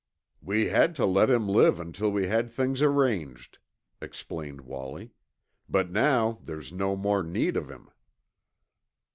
"We had to let him live until we had things arranged," explained Wallie, "but now there's no more need of him."